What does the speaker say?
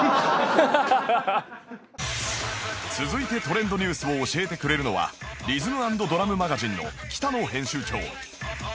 続いてトレンドニュースを教えてくれるのは『リズム＆ドラム・マガジン』の北野編集長